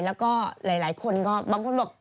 แล้วก็หลายคนก็บางคนบอก